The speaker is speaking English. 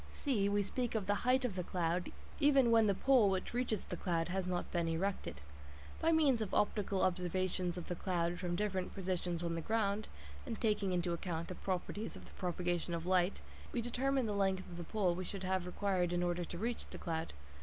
(c) We speak of the height of the cloud even when the pole which reaches the cloud has not been erected. By means of optical observations of the cloud from different positions on the ground, and taking into account the properties of the propagation of light, we determine the length of the pole we should have required in order to reach the cloud.